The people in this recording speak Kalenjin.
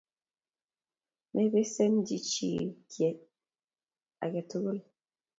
Mebesen chi kiy aje tugul.